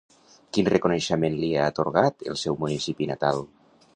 Quin reconeixement li ha atorgat el seu municipi natal?